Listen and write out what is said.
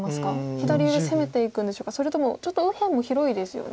左上攻めていくんでしょうかそれともちょっと右辺も広いですよね。